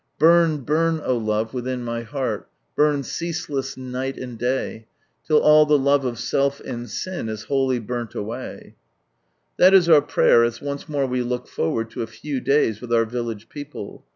"Bum, buro, O Love, within my heart, Burn ceaseless niglil and day, Till all Ibe love of self and sin Is wholly butnl awayt" That is our prayer as once more we look forward to a few days with our village people.